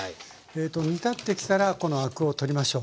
えと煮立ってきたらこのアクを取りましょう。